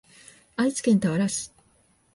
愛知県田原市